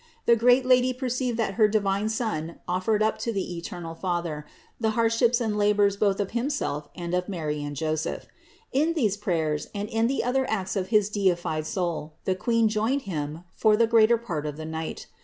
The great Lady perceived that her divine Son offered up to the eternal Father the hardships and labors both of Himself and of Mary and Joseph. In these prayers and in the other acts of his deified Soul, the Queen joined him for the greater part of the night.